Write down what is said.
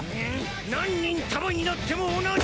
何人束になっても同じ。